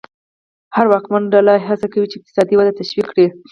هره واکمنه ډله هڅه کوي چې اقتصادي وده تشویق کړي.